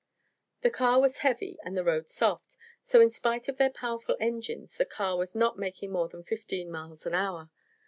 The car was heavy and the road soft; so in spite of their powerful engines the car was not making more than fifteen miles an hour.